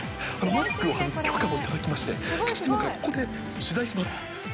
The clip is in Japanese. マスクを外す許可も頂きまして、ここで取材します。